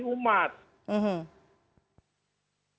bagaimana mengartikulasi aspirasi umat